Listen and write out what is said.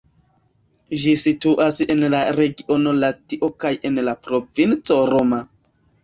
Ĝi situas en la regiono Latio kaj en la provinco Roma.